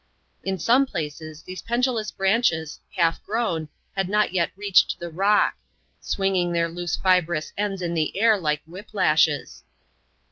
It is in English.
In some places, these pendulous branches, half grown, had not jet reached the rock ; swinging their loose fibrous ends in the air like whiplashes.